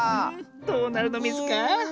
どうなるのミズか？